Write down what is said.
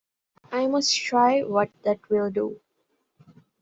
I must try what that will do.